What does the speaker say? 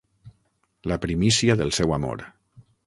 La primícia del seu amor.